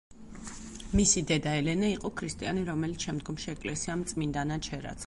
მისი დედა ელენე იყო ქრისტიანი, რომელიც შემდგომში ეკლესიამ წმინდანად შერაცხა.